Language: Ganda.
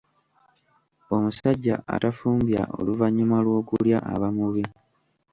Omusajja atafumbya oluvannyuma lw'okulya aba mubi.